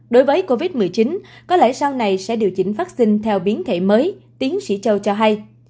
đối với covid một mươi chín có lẽ sau này sẽ điều chỉnh vaccine theo biến thể mới tiến sĩ châu cho hay